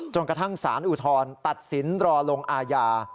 กระทั่งสารอุทธรณ์ตัดสินรอลงอาญา